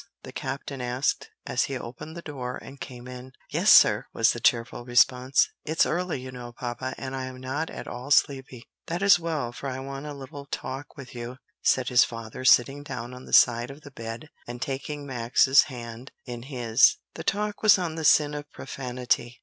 the captain asked, as he opened the door and came in. "Yes, sir," was the cheerful response; "it's early, you know, papa, and I'm not at all sleepy." "That is well, for I want a little talk with you," said his father, sitting down on the side of the bed and taking Max's hand in his. The talk was on the sin of profanity.